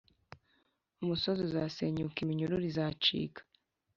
imisozi izasenyukaiminyururu izacika